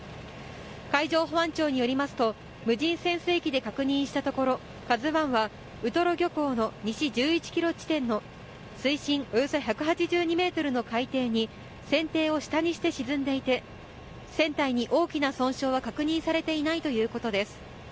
海上保安部によりますと無人潜水機で確認したところ「ＫＡＺＵ１」はウトロ漁港の西１１ｋｍ地点の水深およそ１８２ｍの海底に船底を下にして沈んでいて船体に大きな損傷は確認されていないということです。